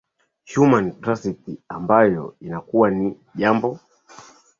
human tracity ambayo inakuwa ni jambo